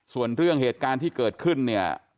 ส่วนเรื่องเหตุการณ์ที่เกิดขึ้นเนี่ย